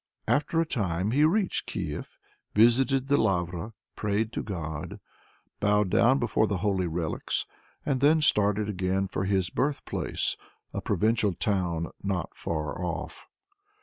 After a time he reached Kief, visited the Lavra, prayed to God, bowed down before the holy relics, and then started again for his birthplace, a provincial town not far off.